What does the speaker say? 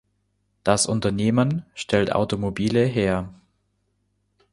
Das Unternehmen stellt Automobile her.